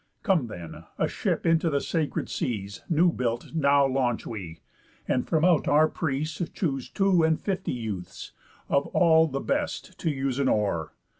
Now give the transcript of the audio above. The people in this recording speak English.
Come then, a ship into the sacred seas, New built, now launch we; and from out our prease Choose two and fifty youths, of all, the best To use an oar.